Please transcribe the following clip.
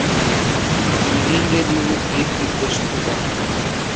তিনি ইংরেজি উদ্ভিদবিদদের সাথে দেখা করেন।